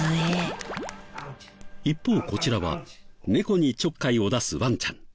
一方こちらは猫にちょっかいを出すワンちゃん。